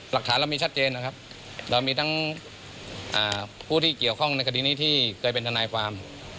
หลักฐานเรามีชัดเจนนะครับเรามีทั้งผู้ที่เกี่ยวข้องในคดีนี้ที่เคยเป็นทนายความ